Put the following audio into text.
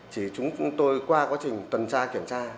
chỉ chúng tôi qua quá trình tuần tra kiểm tra